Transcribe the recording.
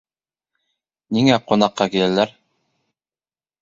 — Ниңә ҡунаҡҡа киләләр?